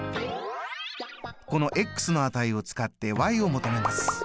このの値を使ってを求めます。